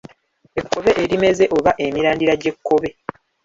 Ekkobe erimeze oba emirandira gy'ekkobe.